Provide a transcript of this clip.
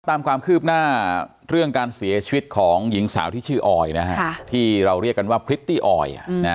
ตามความคืบหน้าเรื่องการเสียชีวิตของหญิงสาวที่ชื่อออยที่เราเรียกกันว่าพริตตี้ออย